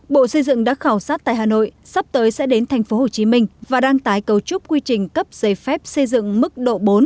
bộ xây dựng đã khảo sát tại hà nội sắp tới sẽ đến tp hcm và đang tái cấu trúc quy trình cấp giấy phép xây dựng mức độ bốn